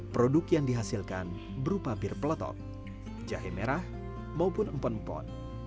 produk yang dihasilkan berupa bir peletop jahe merah maupun empon empon